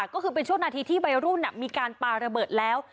ก็คือเป็นช่วงนาทีที่วัยรุ่นมีการปาระเบิดแล้ว